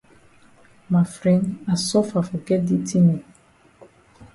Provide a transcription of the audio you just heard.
Ma fren I suffer for get di tin oo.